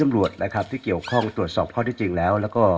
สมรวจเรียกผิดจริงแล้ว